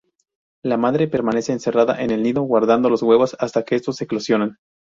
La madre permanece encerrada en el nido guardando los huevos hasta que estos eclosionan.